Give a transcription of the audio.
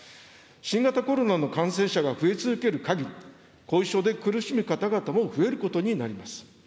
新型コロナの感染者が増え続けるかぎり、後遺症で苦しむ方々も増えることになります。